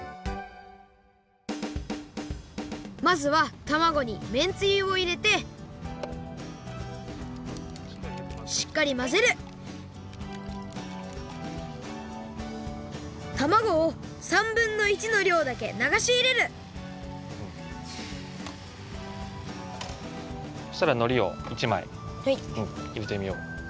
まずはたまごにめんつゆをいれてしっかりまぜるたまごを３ぶんの１のりょうだけながしいれるそしたらのりを１まいいれてみよう。